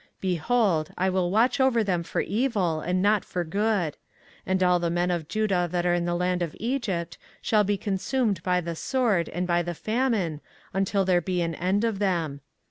24:044:027 Behold, I will watch over them for evil, and not for good: and all the men of Judah that are in the land of Egypt shall be consumed by the sword and by the famine, until there be an end of them.